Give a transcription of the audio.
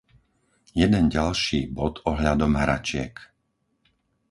Jeden ďalší bod ohľadom hračiek.